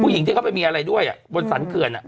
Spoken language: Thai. ผู้หญิงที่เขาไปมีอะไรด้วยอ่ะบนสรรเกินอ่ะ